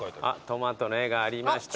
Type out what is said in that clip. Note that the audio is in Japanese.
トマトの絵がありました